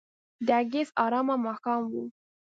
د اګست آرامه ماښام و.